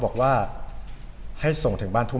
ก็คือทำไมผมถึงไปยื่นคำร้องต่อสารเนี่ย